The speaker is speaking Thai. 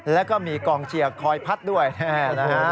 แล้วก็มีกองเชียร์คอยพัดด้วยนะฮะ